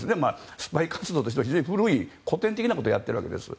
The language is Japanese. スパイ活動としては非常に古い古典的なことをやっているわけです。